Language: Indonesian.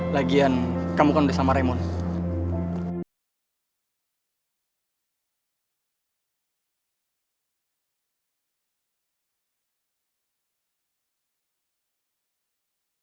lagian kamu kan udah sama remon